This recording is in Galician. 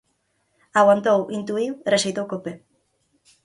Aguantou, intuíu e rexeitou co pé.